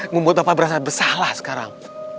membuat papa berasa bersalah sekarang